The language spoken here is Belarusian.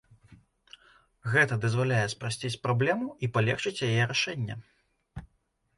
Гэта дазваляе спрасціць праблему і палегчыць яе рашэнне.